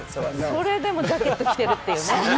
それでもジャケット着てるっていうね。